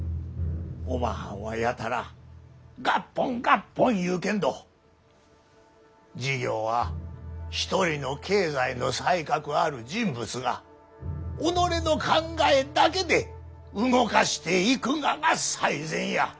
おまはんはやたら合本合本言うけんど事業は一人の経済の才覚ある人物が己の考えだけで動かしていくがが最善や。